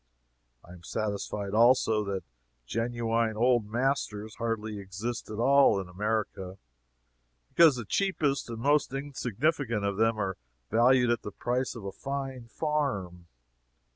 I am satisfied, also, that genuine old masters hardly exist at all, in America, because the cheapest and most insignificant of them are valued at the price of a fine farm.